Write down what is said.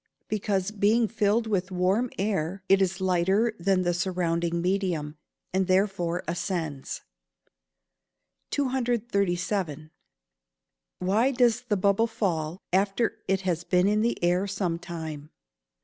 _ Because, being filled with warm air, it is lighter than the surrounding medium, and therefore ascends. 237. _Why does the bubble fall after it has been in the air some time?